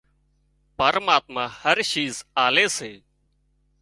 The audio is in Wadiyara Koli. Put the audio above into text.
پرماتما هر شِيز آلي سي